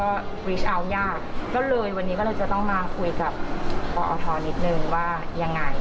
แล้วก็ยากก็เลยวันนี้ก็เลยจะต้องมาคุยกับออนิดนึงว่ายังไง